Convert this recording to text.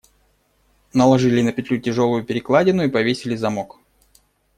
Наложили на петлю тяжелую перекладину и повесили замок.